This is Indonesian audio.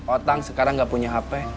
otang sekarang nggak punya hp